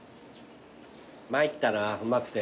参ったなうまくて。